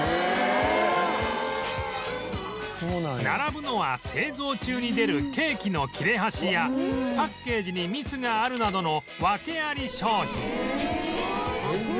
並ぶのは製造中に出るケーキの切れ端やパッケージにミスがあるなどの訳あり商品